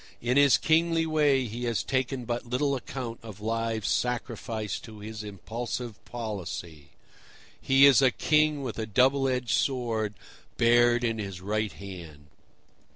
In his kingly way he has taken but little account of lives sacrificed to his impulsive policy; he is a king with a double edged sword bared in his right hand.